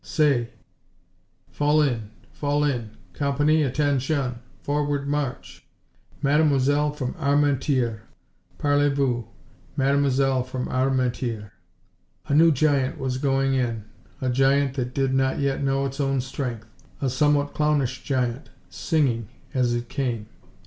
Say "Fall in! Fall in!... Com pan ee, At ten shun! Forward, March!" "Mademoiselle from Armentieres, Parlez vous. Mademoiselle from Armentieres..." A new giant was going in, a giant that did not yet know its own strength, a somewhat clownish giant, singing as it came.